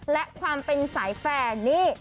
และความเป็นสายแฟร์นี่